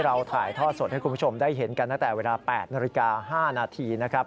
เราถ่ายทอดสดให้คุณผู้ชมได้เห็นกันตั้งแต่เวลา๘นาฬิกา๕นาทีนะครับ